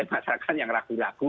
masyarakat yang ragu ragu